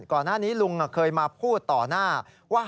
ก่อนหน้านี้ลุงอะเคยมาพูดต่อหน้าว่า